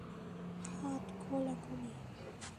হাত খোল এখনই!